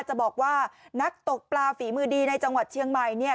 จะบอกว่านักตกปลาฝีมือดีในจังหวัดเชียงใหม่เนี่ย